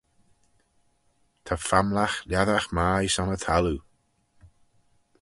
Ta famlagh lhassagh mie son y thalloo.